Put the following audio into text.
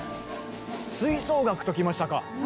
吹奏楽ときましたか！